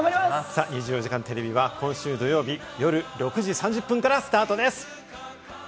『２４時間テレビ』は今週土曜日、夜６時３０分からスタートです。